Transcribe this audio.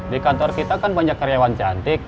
di kantor kita kan banyak karyawan cantik